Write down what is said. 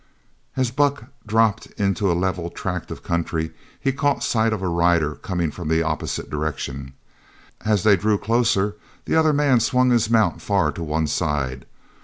As Buck dropped into a level tract of country he caught sight of a rider coming from the opposite direction. As they drew closer the other man swung his mount far to one side.